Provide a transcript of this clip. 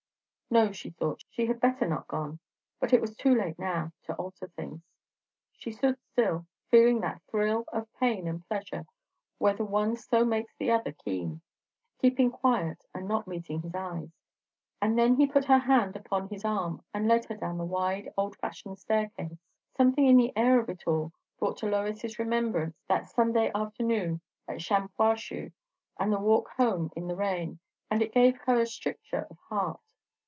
No, she thought, she had better not gone; but it was too late now to alter things. She stood still, feeling that thrill of pain and pleasure where the one so makes the other keen, keeping quiet and not meeting his eyes; and then he put her hand upon his arm and led her down the wide, old fashioned staircase. Something in the air of it all brought to Lois's remembrance that Sunday afternoon at Shampuashuh and the walk home in the rain; and it gave her a stricture of heart.